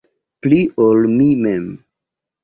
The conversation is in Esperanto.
Pli, ol mi mem.